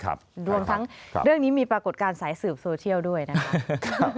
รวมทั้งเรื่องนี้มีปรากฏการณ์สายสืบโซเชียลด้วยนะครับ